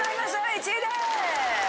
１位です！